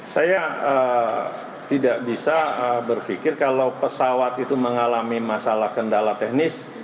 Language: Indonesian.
saya tidak bisa berpikir kalau pesawat itu mengalami masalah kendala teknis